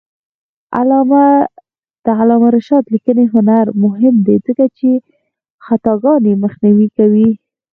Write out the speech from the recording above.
د علامه رشاد لیکنی هنر مهم دی ځکه چې خطاګانې مخنیوی کوي.